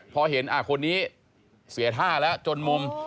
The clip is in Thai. พอเห็นคนนี้เสียท่าแล้วจนมุม